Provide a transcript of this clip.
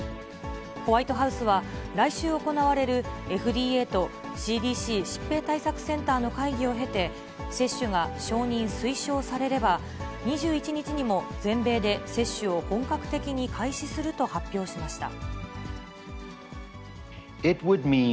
ホワイトハウスは、来週行われるＦＤＡとＣＤＣ・疾病対策センターの会議を経て、接種が承認・推奨されれば、２１日にも全米で接種を本格的に開始すると発表しました。